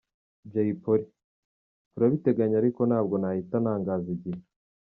Jay polly : Turabiteganya ariko ntabwo nahita ntangaza igihe.